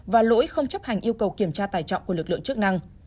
và lỗi không chấp hành yêu cầu kiểm tra tài trọng của lực lượng chức năng